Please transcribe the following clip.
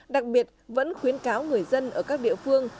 đặc biệt vẫn khuyến cáo người dân ở các địa phương